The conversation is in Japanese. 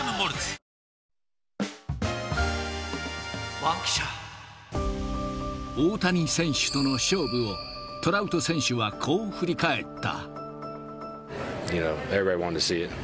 おおーーッ大谷選手との勝負を、トラウト選手は、こう振り返った。